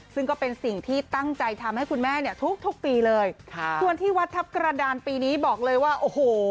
ซึ่งก็เป็นสิ่งที่ตั้งใจทำให้คุณแม่เนี่ยทุกทุกปีเลยค่ะส่วนที่วัดทัพกระดานปีนี้บอกเลยว่าโอ้โห